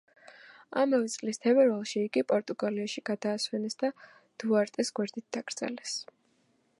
ამავე წლის თებერვალში იგი პორტუგალიაში გადაასვენეს და დუარტეს გვერდით დაკრძალეს.